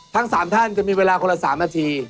ทั้ง๓ท่านจะมีเวลาคนละ๓นาที